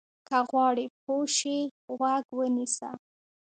که غواړې پوه شې، غوږ ونیسه.